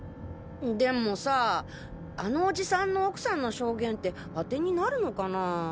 でもさぁあのおじさんの奥さんの証言ってあてになるのかなぁ？